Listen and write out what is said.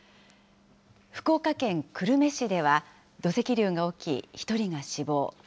福岡県久留米市では土石流が起き、１人が死亡。